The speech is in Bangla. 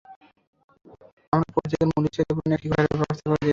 আমরা প্রত্যেকের মৌলিক চাহিদা পূরণে একটি ঘরের ব্যবস্থা করে দিতে চাই।